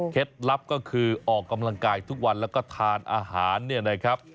ลับก็คือออกกำลังกายทุกวันแล้วก็ทานอาหารเนี่ยนะครับ